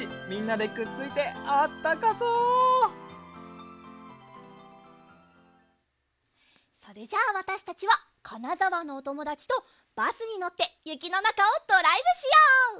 みんなでくっついてあったかそうそれじゃあわたしたちはかなざわのおともだちとバスにのってゆきのなかをドライブしよう！